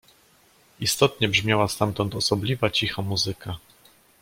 "Istotnie brzmiała stamtąd osobliwa cicha muzyka."